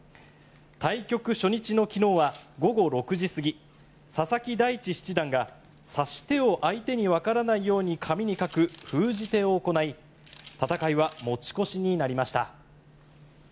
対局初日の昨日は午後６時過ぎ佐々木大地七段が指し手を相手にわからないように紙に書く封じ手を行い戦いは持ち越しになりました。